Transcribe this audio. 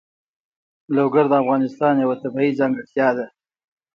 لوگر د افغانستان یوه طبیعي ځانګړتیا ده.